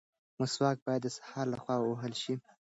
مسواک باید د سهار لخوا ووهل شي.